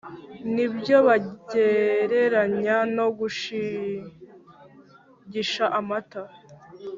ni byo bagereranya no “gushigisha amata”